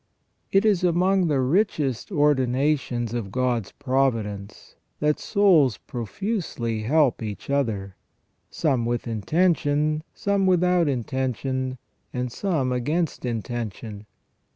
It is among the richest ordinations of God's providence that souls profusely help each other, some with intention, some without intention, and some against intention.